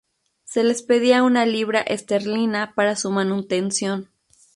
Se les pedía una libra esterlina para su manutención.